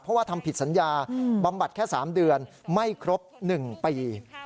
เพราะว่าทำผิดสัญญาบำบัดแค่๓เดือนไม่ครบ๑ปี